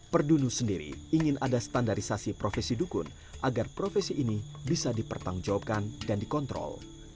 perdunu sendiri ingin ada standarisasi profesi dukun agar profesi ini bisa dipertanggungjawabkan dan dikontrol